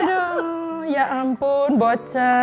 aduh ya ampun bocah